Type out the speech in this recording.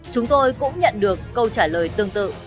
chúng tôi cũng nhận được câu trả lời tương tự